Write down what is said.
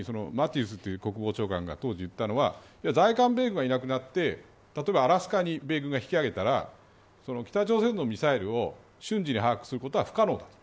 あのときにマティスという国防長官が当時言ったのは在韓米軍がいなくなって、例えばアラスカに米軍が引きあげたら北朝鮮のミサイルを瞬時に把握することは不可能だ。